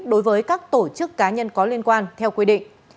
đối với các tổ chức cá nhân có liên quan theo quy định